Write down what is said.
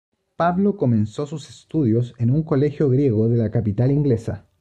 Pablo comenzó sus estudios en un colegio griego de la capital inglesa.